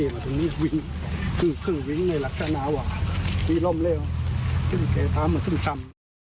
หนึ่งหึ่งอย่างไรละกันอาวามีลมแล้วขึ้นเขตรามันด้วยซำ